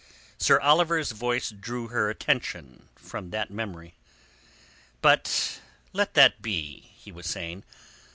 Sir Oliver's voice drew her attention from that memory. "But let that be," he was saying.